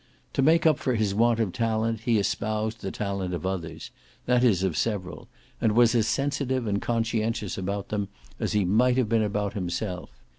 To make up for his want of talent he espoused the talent of others that is of several and was as sensitive and conscientious about them as he might have been about himself.